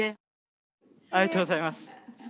ありがとうございます。